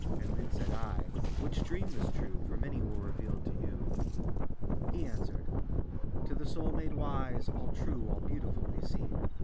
And then said I "Which dream was true? For many were revealed to you!" He answered "To the soul made wise All true, all beautiful they seem.